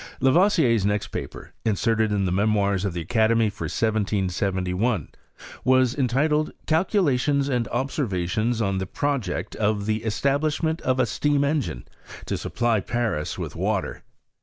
Lavoisier's next paper, inserted in the Memoirs of the Academy, for 1771, was entitled " Calcula tions and Observations on the Project of the esta blishment of a Steam engine to supply Paris with Water."